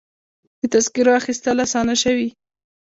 د تذکرو اخیستل اسانه شوي؟